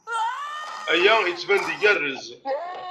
Aya yettban-d igerrez.